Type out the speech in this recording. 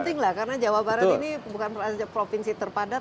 pentinglah karena jawa barat ini bukan saja provinsi terpadat